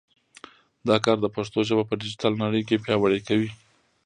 دا کار د پښتو ژبه په ډیجیټل نړۍ کې پیاوړې کوي.